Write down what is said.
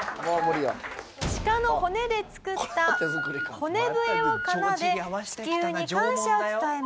シカの骨で作った骨笛を奏で地球に感謝を伝えます。